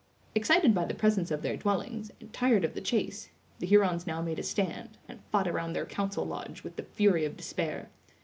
Excited by the presence of their dwellings, and tired of the chase, the Hurons now made a stand, and fought around their council lodge with the fury of despair.